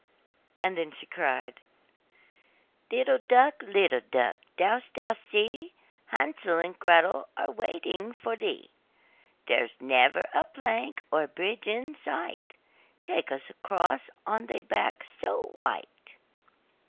Then she cried: 'Little duck, little duck, dost thou see, Hansel and Gretel are waiting for thee? There's never a plank, or bridge in sight, Take us across on thy back so white.